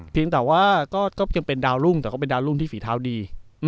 เพียงแต่ว่าก็ยังเป็นดาวรุ่งแต่ก็เป็นดาวรุ่งที่ฝีเท้าดี